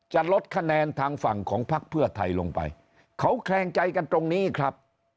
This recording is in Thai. จะลดคะแนนทางฝั่งของพักเพื่อไทยลงไปเขาแคลงใจกันตรงนี้ครับ